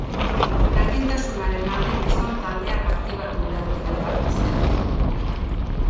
Berdintasunaren alde gizon taldeak aktibatu behar direla uste dute.